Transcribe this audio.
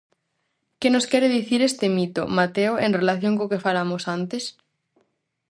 Que nos quere dicir este mito, Mateo, en relación co que falamos antes?